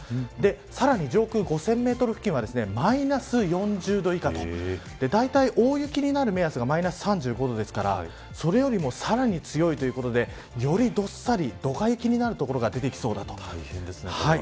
さらに上空５０００メートル付近はマイナス４０度以下とだいたい大雪になる目安がマイナス３５度ですからそれよりもさらに強いということでよりどっさり、どか雪になる所が出てきそうだということです。